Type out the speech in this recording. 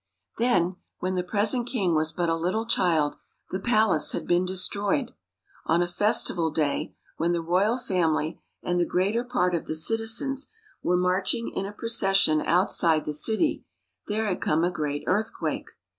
Then, when the present king was but a little child, the palace had been destroyed. On a festival day, when the royal family and the greater part of the citizens 78 THE PALACE MADE BY MUSIC were marching in a procession outside the city, there had come a great earthquake.